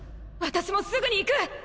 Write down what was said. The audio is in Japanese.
私もすぐに行く！